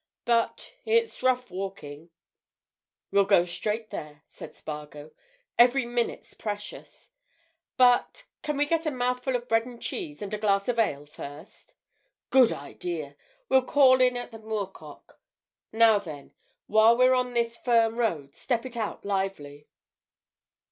But it's rough walking." "We'll go straight there," said Spargo. "Every minute's precious. But—can we get a mouthful of bread and cheese and a glass of ale first?" "Good idea! We'll call in at the 'Moor Cock.' Now then, while we're on this firm road, step it out lively."